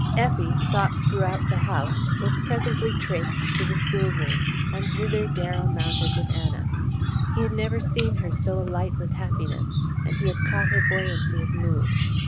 Effie, sought throughout the house, was presently traced to the school room, and thither Darrow mounted with Anna. He had never seen her so alight with happiness, and he had caught her buoyancy of mood.